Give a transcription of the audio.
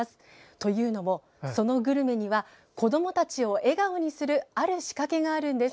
というのも、そのグルメには子どもたちを笑顔にするある仕掛けがあるんです。